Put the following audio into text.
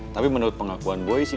tapi menurut pengakuan boy sih